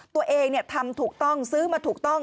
ตัวเองทำถูกต้องซื้อมาถูกต้อง